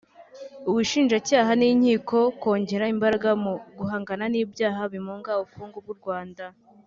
ubushinjacyaha n’inkiko kongera imbaraga mu guhangana n’ibyaha bimunga ubukungu bw’u Rwanda